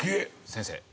先生。